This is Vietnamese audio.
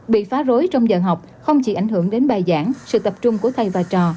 bị phá rối trong giờ học không chỉ ảnh hưởng đến bài giảng sự tập trung của thầy và trò